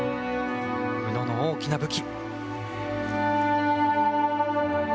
宇野の大きな武器。